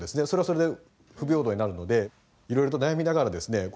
それはそれで不平等になるのでいろいろと悩みながらですね